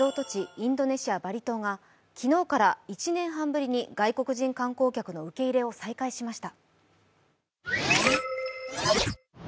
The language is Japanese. インドネシア・バリ島が昨日から１年半ぶりに外国人観光客の受け入れを再開しました。